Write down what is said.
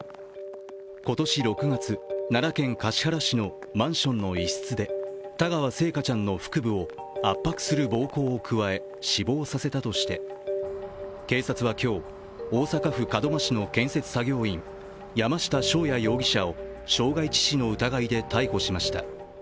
今年６月、奈良県橿原市のマンションの一室で田川星華ちゃんの腹部を圧迫する暴行を加え死亡させたとして、警察は今日、大阪府門真市の建設作業員、山下翔也容疑者を傷害致死の疑いで逮捕しました。